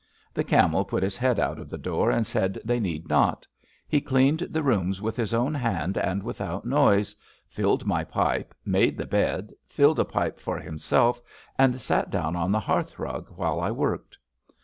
The Camel put his head out of the door and said they need not. He cleaned the rooms with his own hand and without noise, filled my pipe, made the bed, filled a pipe for him self, and sat down on the hearth rug while I worked.